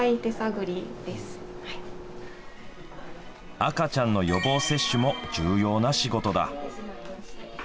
赤ちゃんの予防接種も重要な仕事だ。